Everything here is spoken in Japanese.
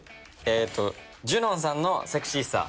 えっと「ジュノンさんのセクシーさ」。